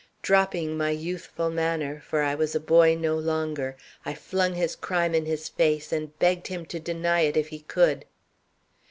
Dropping my youthful manner, for I was a boy no longer, I flung his crime in his face, and begged him to deny it if he could.